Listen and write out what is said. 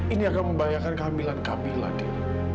ini akan membayangkan kehamilan camilla dil